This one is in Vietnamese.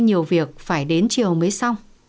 nhiều việc phải đến chiều mới xong